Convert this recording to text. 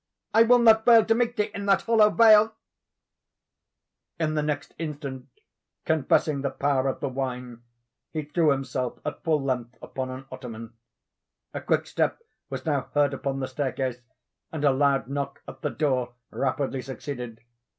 I will not fail_ To meet thee in that hollow vale." In the next instant, confessing the power of the wine, he threw himself at full length upon an ottoman. A quick step was now heard upon the staircase, and a loud knock at the door rapidly succeeded.